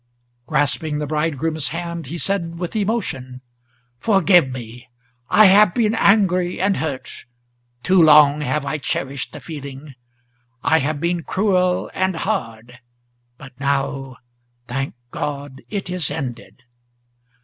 Grasping the bridegroom's hand, he said with emotion, "Forgive me! I have been angry and hurt, too long have I cherished the feeling; I have been cruel and hard, but now, thank God! it is ended.